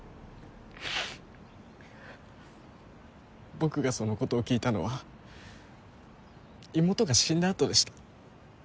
僕がそのことを聞いたのは妹が死んだあとでした。